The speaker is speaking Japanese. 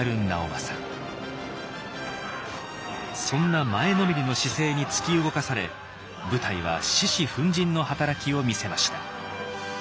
そんな前のめりの姿勢に突き動かされ部隊は獅子奮迅の働きを見せました。